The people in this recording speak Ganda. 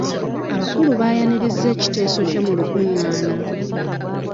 Abakulu bayaniriza ekiteso kye mu lukungaana.